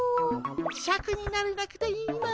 シャクになれなくていいの？